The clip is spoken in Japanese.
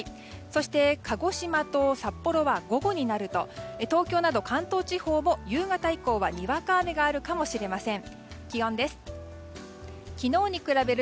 そして、鹿児島と札幌は午後になると東京など関東地方も夕方以降はにわか雨があるかもしれません。